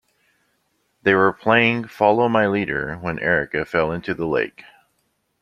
They were playing follow my leader when Erica fell into the lake.